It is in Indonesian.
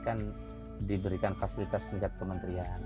kan diberikan fasilitas tingkat kementerian